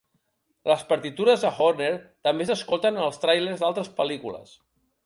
Les partitures de Horner també s'escolten en els tràilers d'altres pel·lícules.